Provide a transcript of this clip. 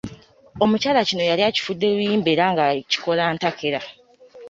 Omukyala kino yali akifudde luyimba era ng’akikola ntakera.